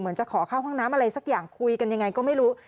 จะขอเข้าห้องน้ำอะไรสักอย่างคุยกันยังไงก็ไม่รู้